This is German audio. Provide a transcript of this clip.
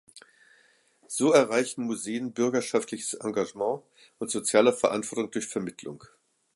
So erreichen Museen bürgerschaftliches Engagement und soziale Verantwortung durch Vermittlung.